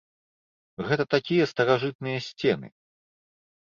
Гэта такія старажытныя сцены!